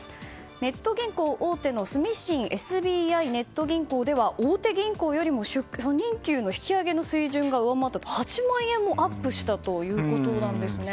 ネット銀行大手の住信ＳＢＩネット銀行では大手銀行より初任給の引き上げの水準が上回って、８万円もアップしたということですね。